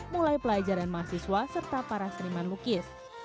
mulai pelajaran mahasiswa serta para seniman lukis